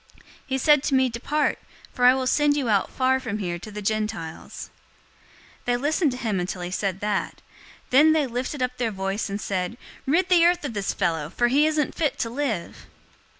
022:021 "He said to me, 'Depart, for I will send you out far from here to the Gentiles.'" 022:022 They listened to him until he said that; then they lifted up their voice, and said, "Rid the earth of this fellow, for he isn't fit to live!"